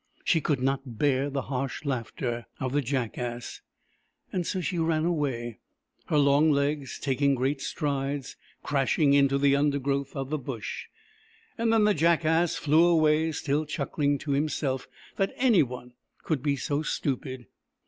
She could not bear the harsh laughter of the Jackass, and so she ran away, her long legs taking great strides, crashing into the undergrowth of the Bush. Then the Jackass flew away, still chuckling to himself that anyone couJd be so stupid.